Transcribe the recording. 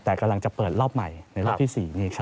แต่กำลังจะเปิดรอบใหม่ในรอบที่๔